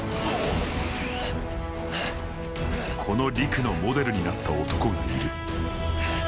この陸のモデルになった男がいる。